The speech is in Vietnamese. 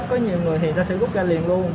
có nhiều người thì ta sẽ rút ra liền luôn